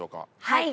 はい。